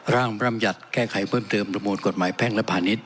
ร่างบรรยัติแก้ไขเพิ่มเติมประมวลกฎหมายแพ่งและพาณิชย